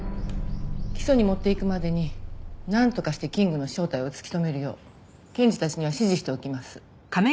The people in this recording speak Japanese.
起訴に持っていくまでになんとかしてキングの正体を突き止めるよう検事たちには指示しておきます。